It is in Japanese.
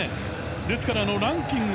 ですからランキング